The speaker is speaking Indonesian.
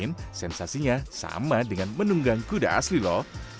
dan konsentrasinya sama dengan menunggang kuda asli loh